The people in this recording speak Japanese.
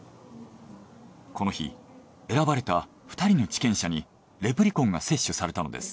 この日選ばれた２人の治験者にレプリコンが接種されたのです。